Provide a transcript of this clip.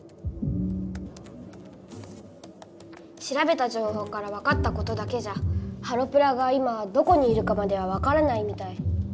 しらべた情報からわかったことだけじゃハロプラが今どこにいるかまではわからないみたい。